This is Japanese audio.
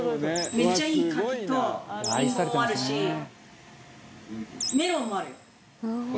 めっちゃいい柿とリンゴもあるしメロンもあるよ。